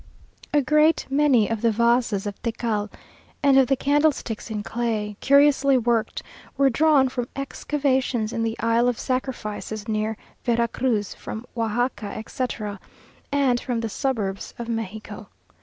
A great many of the vases of tecal, and of the candlesticks in clay, curiously worked, were drawn from excavations in the Isle of Sacrifices, near Vera Cruz, from Oajaca, etc., and from the suburbs of Mexico.